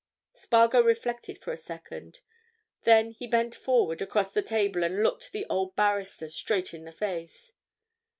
Spargo reflected for a second. Then he bent forward across the table and looked the old barrister straight in the face.